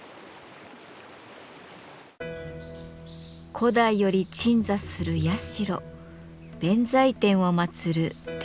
古代より鎮座する社弁財天を祭る天河神社です。